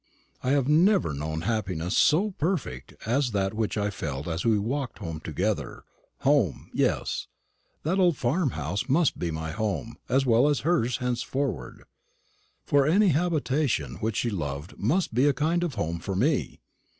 I have never known happiness so perfect as that which I felt as we walked home together home yes; that old farm house must be my home as well as hers henceforward; for any habitation which she loved must be a kind of home for me.